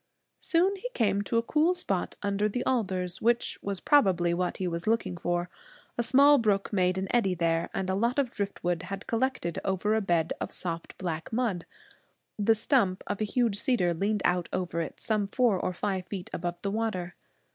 Soon he came to a cool spot under the alders, which was probably what he was looking for. A small brook made an eddy there, and a lot of driftweed had collected over a bed of soft black mud. The stump of a huge cedar leaned out over it, some four or five feet above the water.